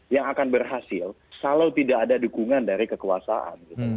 yang akan berhasil kalau tidak ada dukungan dari kekuasaan